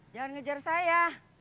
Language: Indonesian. jangan ngejar saya